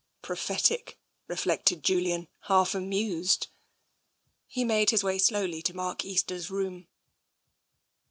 Prophetic, reflected Julian, half amused. He made his way slowly to Mark Easter's room.